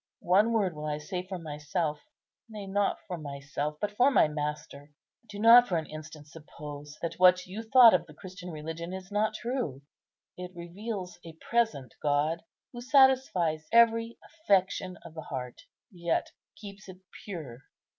One word will I say for myself; nay, not for myself, but for my Master. Do not for an instant suppose that what you thought of the Christian religion is not true. It reveals a present God, who satisfies every affection of the heart, yet keeps it pure.